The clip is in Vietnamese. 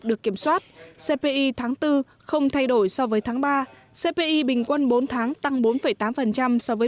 được kiểm soát cpi tháng bốn không thay đổi so với tháng ba cpi bình quân bốn tháng tăng bốn tám so với